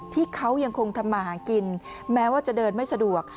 ที่เขายังคงทำมาหากินแม้ว่าจะเดินไม่สะดวก